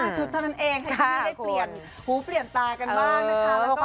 ชุดเท่านั้นเองให้พี่ได้เปลี่ยนหูเปลี่ยนตากันบ้างนะคะ